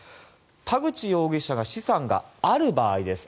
田口容疑者が資産がある場合です。